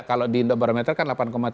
kalau di indobarometer kan delapan tiga